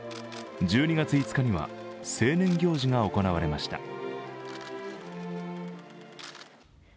１２月５日には成年行事が行われました。